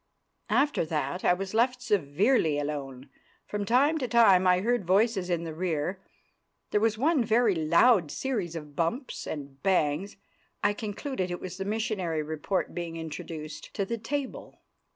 After that I was left severely alone. From time to time I heard voices in the rear; there was one very loud series of bumps and bangs—I concluded it was the missionary report being introduced to the table.